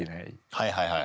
はいはいはい。